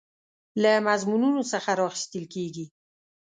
له مضمونونو څخه راخیستل کیږي.